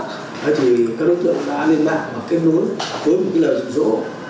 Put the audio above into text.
thế thì các đối tượng đã lên mạng và kết nối với một lời dụng dỗ